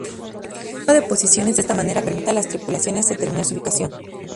El trazado de posiciones, de esta manera, permite a las tripulaciones determinar su ubicación.